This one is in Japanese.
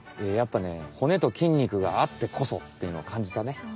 やっぱね骨ときんにくがあってこそっていうのをかんじたね。